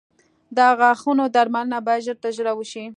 د غاښونو درملنه باید ژر تر ژره وشي.